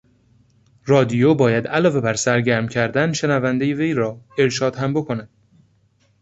رادیو باید علاوه بر سرگرم کردن شنونده وی را ارشاد هم بکند.